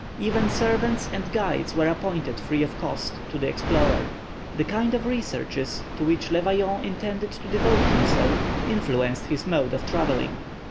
Even servants and guides were appointed, free of cost, to the explorer. The kind of researches to which Le Vaillant intended to devote himself influenced his mode of travelling.